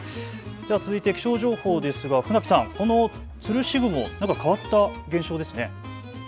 では続いて気象情報ですが船木さん、このつるし雲、何か変わった現象ですね。